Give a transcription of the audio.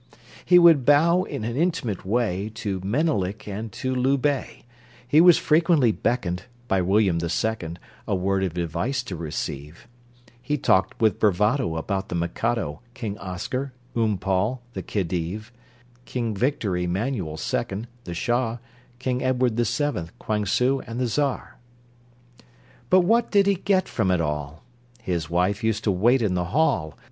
He would bow in an intimate way To Menelik and to Loubet, He was frequently beckoned, By William the Second, A word of advice to receive, He talked with bravado About the Mikado, King Oscar, Oom Paul, the Khedive, King Victor Emmanuel Second, the Shah, King Edward the Seventh, Kwang Su, and the Czar! But what did he get from it all? His wife used to wait in the hall!